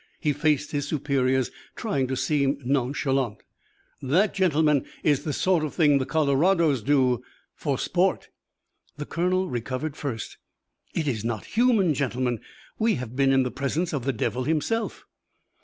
He faced his superiors, trying to seem nonchalant. "That, gentlemen, is the sort of thing the Colorados do for sport." The colonel recovered first. "It is not human. Gentlemen, we have been in the presence of the devil himself."